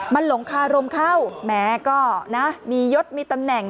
มันหลงคารมเข้าแหมก็นะมียศมีตำแหน่ง